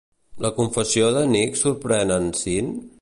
La confessió de Nick sorprèn en Sean?